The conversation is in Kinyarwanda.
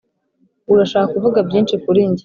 urashaka kuvuga byinshi kuri njye